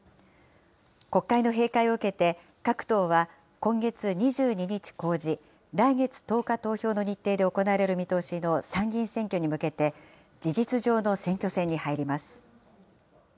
国会の閉会を受けて、各党は、今月２２日公示、来月１０日投票の日程で行われる見通しの参議院選挙に向けて、事実上の選挙戦に入ります。